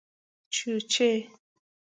🐤چېچۍ